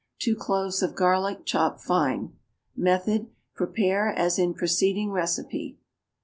2 cloves of garlic, chopped fine. Method. Prepare as in preceding recipe.